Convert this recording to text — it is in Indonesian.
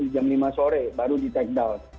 jam lima sore baru di take down